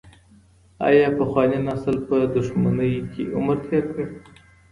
آیا پخواني نسل په دښمنۍ کي عمر تېر کړ؟